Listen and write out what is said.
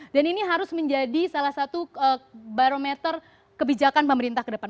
dan ini harus menjadi salah satu barometer kebijakan pemerintah ke depan